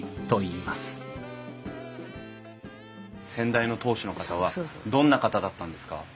先代の当主の方はどんな方だったんですか？